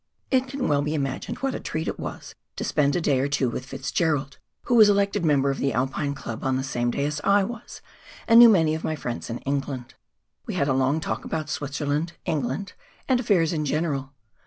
It can well be imagined what a treat it was to spend a day or two with Fitzgerald, who was elected member of the Alpine Club on the same day as I was, and knew many of my friends in England, We had a long talk about Switzerland, England, and affairs in general.